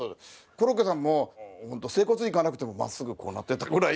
コロッケさんも本当整骨院行かなくてもまっすぐこうなってたぐらい。